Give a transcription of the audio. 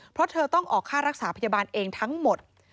เพราะเธอต้องออกค่ารักษาพยาบาลเองทั้งหมด